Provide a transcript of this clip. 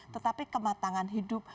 tetapi kematangan hidup